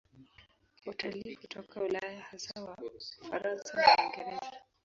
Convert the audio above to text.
Watalii hutoka Ulaya, hasa Wafaransa na Waingereza.